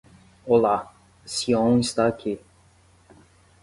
Olá, Siôn está aqui.